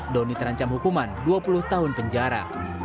doni terancam hukuman dua puluh tahun penjara